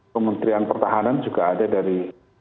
pementrian pertahanan juga ada dari